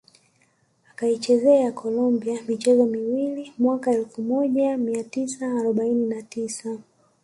Akaichezea Colombia michezo miwili mwaka elfu moja mia tisa arobaini na tisa